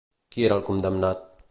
Qui era el condemnat?